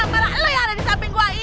marah lo yang ada di samping gue